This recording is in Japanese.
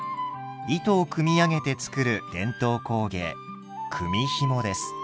糸を組み上げて作る伝統工芸組みひもです。